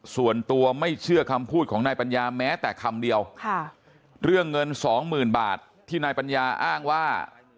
ส่วนตัวไม่เชื่อคำพูดของนายปัญญาแม้แต่คำเดียวเรื่องเงินสองหมื่นบาทที่นายปัญญาอ้างว่า